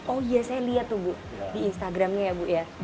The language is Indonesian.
oh iya saya lihat tuh bu di instagramnya ya bu ya